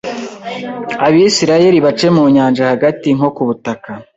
Abisirayeli bace mu nyanja hagati nko kubutaka